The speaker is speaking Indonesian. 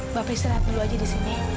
mbak pris terlihat dulu aja di sini